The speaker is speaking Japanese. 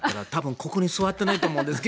ここに座っていないと思います。